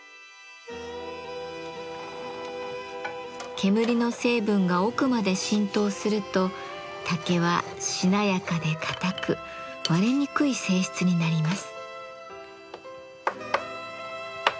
煙の成分が奥まで浸透すると竹はしなやかで堅く割れにくい性質になります。